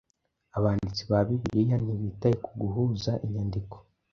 Abanditsi ba Bibiliya ntibitaye ku guhuza inyandiko